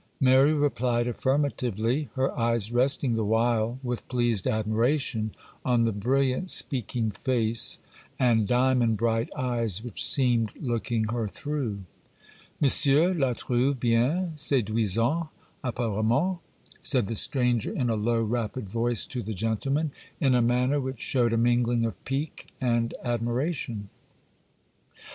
Mary replied affirmatively, her eyes resting the while, with pleased admiration, on the brilliant speaking face and diamond bright eyes which seemed looking her through. 'Monsieur la trouve bien séduisante apparemment,' said the stranger in a low, rapid voice to the gentleman, in a manner which showed a mingling of pique and admiration.